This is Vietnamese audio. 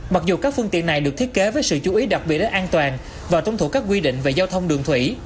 mặc dù các phương tiện này được thiết kế với sự chú ý đặc biệt đến an toàn và tống thủ các quy định về giao thông đường thủy